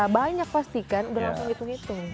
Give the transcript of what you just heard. banyak pasti kan udah langsung hitung hitung